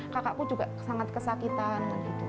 kakakku juga sangat kesakitan